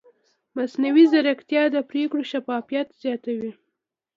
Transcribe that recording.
مصنوعي ځیرکتیا د پرېکړو شفافیت زیاتوي.